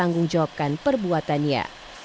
kasus ini pun masih didalaminya